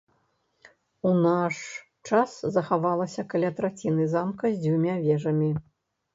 У наш час захавалася каля траціны замка з дзвюма вежамі.